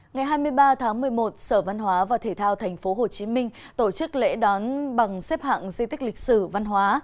ngày hai mươi ba tháng một mươi một sở văn hóa và thể thao tp hcm tổ chức lễ đón bằng xếp hạng di tích lịch sử văn hóa